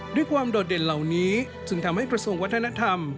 ด้วยความโดดเด่นเหล่านี้จึงทำให้ประสงค์วัฒนธรรม